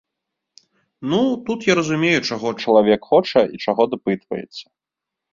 Ну, тут я разумею, чаго чалавек хоча і чаго дапытваецца.